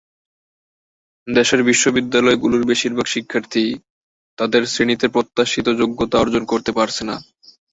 দেশের বিদ্যালয়গুলোর বেশির ভাগ শিক্ষার্থীই তাদের শ্রেণীতে প্রত্যাশিত যোগ্যতা অর্জন করতে পারছে না।